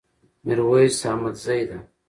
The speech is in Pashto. ميرويس احمدزي ده